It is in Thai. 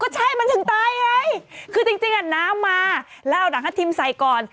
ใช่มันถึงตายไงคือจริงน้ำมาแล้วเอาหนังทัพทิมใส่ก่อน